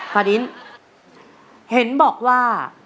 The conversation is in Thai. ฟาดินเห็นบอกว่า